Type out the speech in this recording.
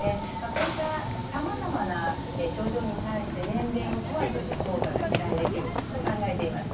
こういったさまざまな症状に対して年齢を問わず効果が期待できると考えています。